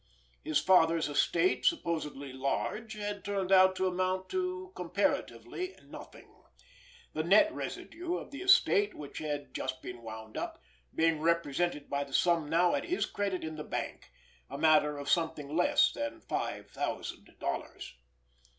His father's estate, supposedly large, had turned out to amount to comparatively nothing; the net residue of the estate, which had just been wound up, being represented by the sum now at his credit in the bank, a matter of something less than five thousand dollars.